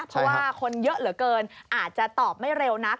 เพราะว่าคนเยอะเหลือเกินอาจจะตอบไม่เร็วนัก